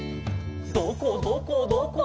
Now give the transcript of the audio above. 「どこどこどこ？